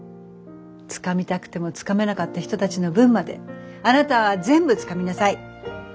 つかみたくてもつかめなかった人たちの分まであなたは全部つかみなさい。